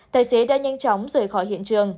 tài xế đã nhanh chóng rời khỏi hiện trường